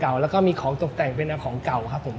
แล้วก็มีของตกแต่งเป็นของเก่าครับผม